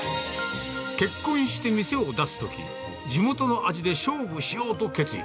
結婚して店を出すとき、地元の味で勝負しようと決意。